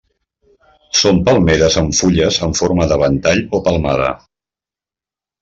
Són palmeres amb fulles en forma de ventall o palmada.